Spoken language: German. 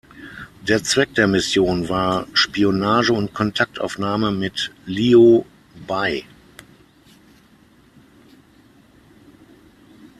Der Zweck der Mission war Spionage und Kontaktaufnahme mit Liu Bei.